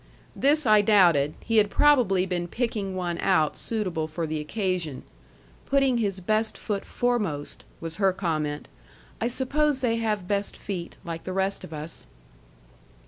This I doubted; he had probably been picking one out suitable for the occasion. "Putting his best foot foremost," was her comment; "I suppose they have best feet, like the rest of us."